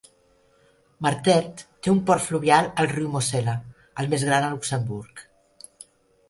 Mertert té un port fluvial al riu Mosel·la, el més gran a Luxemburg.